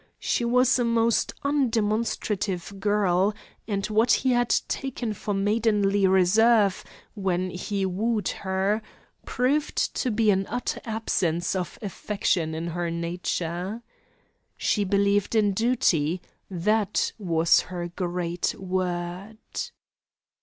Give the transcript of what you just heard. She was a most undemonstrative girl; and what he had taken for maidenly reserve, when he wooed her, proved to be an utter absence of affection in her nature. She believed in duty; that was her great word.